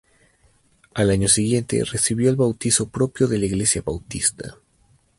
Al año siguiente, recibió el bautizo propio de la Iglesia Bautista.